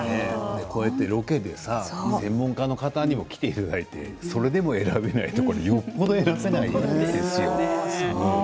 こうやってロケで専門家の方に来てもらってそれでも選べないってよっぽど選べないですよ。